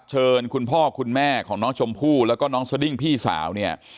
เชิญคุณพ่อคุณแม่ของน้องชมพู่แล้วก็น้องสดิ้งพี่สาวเนี่ย